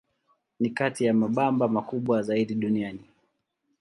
Ni kati ya mabamba makubwa zaidi duniani.